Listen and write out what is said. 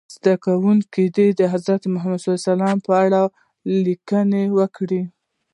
زده کوونکي دې د حضرت محمد ص په اړه لیکنه وکړي.